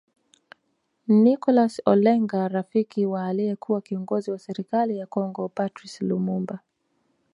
Nicholas Olenga rafiki wa aliekua kiongozo wa serikali ya Kongo Patrice Lumumba